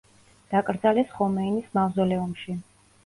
დაკრძალეს ხომეინის მავზოლეუმში.